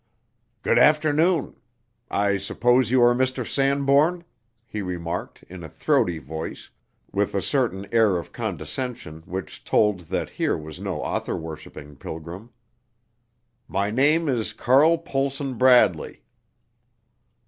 "Good afternoon. I suppose you are Mr. Sanbourne?" he remarked, in a throaty voice, with a certain air of condescension which told that here was no author worshiping pilgrim. "My name is Carl Pohlson Bradley."